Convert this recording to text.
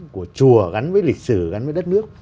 của chùa gắn với lịch sử gắn với đất nước